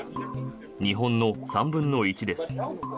日本の３分の１です。